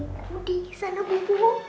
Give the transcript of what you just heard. oh di sana bubu